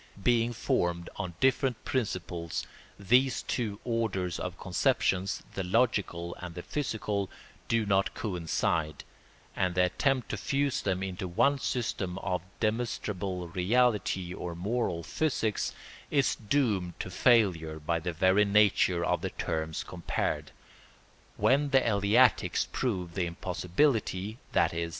Being formed on different principles these two orders of conception—the logical and the physical—do not coincide, and the attempt to fuse them into one system of demonstrable reality or moral physics is doomed to failure by the very nature of the terms compared. When the Eleatics proved the impossibility—_i.e.